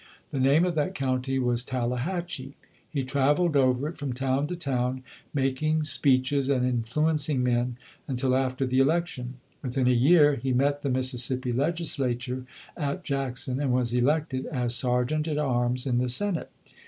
The name of that county was Tallahat chie. He traveled over it from town to town, mak BLANCHE KELSO BRUCE [ 121 ing speeches and influencing men, until after the election. Within a year, he met the Mississippi Legislature at Jackson and was elected as Ser geant at arms in the Senate.